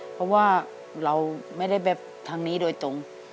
เพราะว่าเราไม่ได้แบบทางนี้โดยตรง